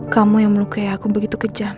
kamu yang melukai aku begitu kejam